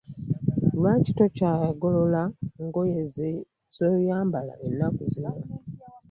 Lwaki tokyagolola ngoye z'oyambala ennaku zino?